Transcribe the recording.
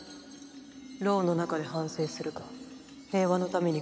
牢の中で反省するか平和のために貢献するか。